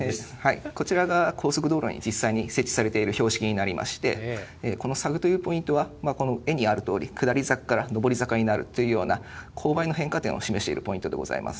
こちらが高速道路に実際に設置されている標識になりまして、このサグというポイントは、この絵にあるとおり、下り坂から上り坂になるというような、勾配の変化点を示しているポイントでございます。